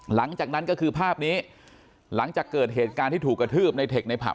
หลังจากนั้นก็คือภาพนี้หลังจากเกิดเหตุการณ์ที่ถูกกระทืบในเทคในผับ